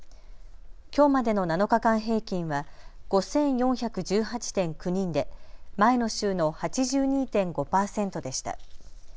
きょうまでの７日間平均は５４１８．９人で前の週の８２．５％でした。